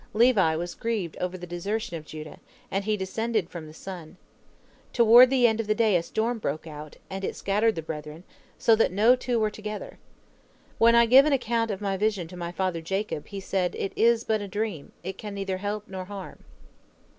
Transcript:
Levi was grieved over the desertion of Judah, and he descended from the sun. Toward the end of the day a storm broke out, and it scattered the brethren, so that no two were together. When I gave an account of my vision to my father Jacob, he said, 'It is but a dream, it can neither help nor harm.'